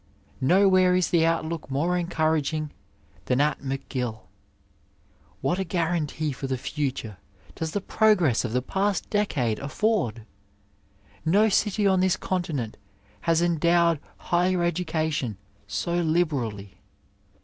Nowhere is the outlook more encouraging than at IfcGill. What a guarantee for the future does the pro gress of the past decade afford ! No city on this continent has endowed higher education so liberally.